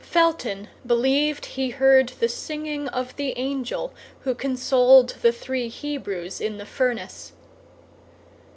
Felton believed he heard the singing of the angel who consoled the three Hebrews in the furnace.